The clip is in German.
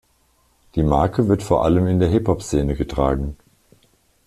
Die Marke wird vor allem in der Hip-Hop-Szene getragen.